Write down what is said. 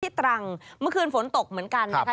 ตรังเมื่อคืนฝนตกเหมือนกันนะคะ